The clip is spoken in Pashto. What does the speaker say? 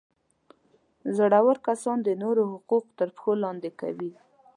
زورور کسان د نورو حقوق تر پښو لاندي کوي.